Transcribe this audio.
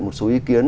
một số ý kiến